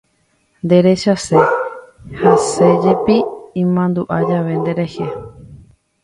Nderechase, hasẽjepi imandu'a jave nderehe.